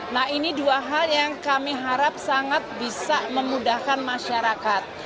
nah ini dua hal yang kami harap sangat bisa memudahkan masyarakat